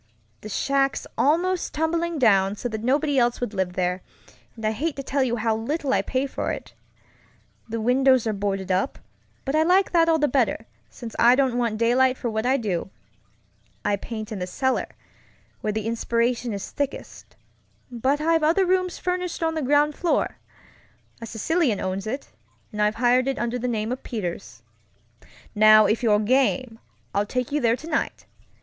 The shack's almost tumbling down, so that nobody else would live there, and I'd hate to tell you how little I pay for it. The windows are boarded up, but I like that all the better, since I don't want daylight for what I do. I paint in the cellar, where the inspiration is thickest, but I've other rooms furnished on the ground floor. A Sicilian owns it, and I've hired it under the name of Peters. "Now if you're game, I'll take you there tonight.